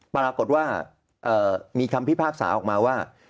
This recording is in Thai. ปรากฏว่ามีคำพิพากษาออกมาว่า